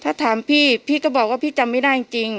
ถ้าถามพี่พี่ก็บอกว่าพี่จำไม่ได้จริง